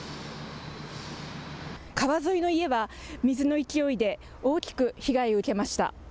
川沿いの家は水の勢いで大きく被害を受けました。